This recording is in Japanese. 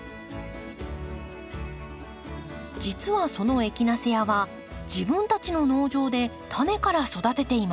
実はそのエキナセアは自分たちの農場でタネから育てています。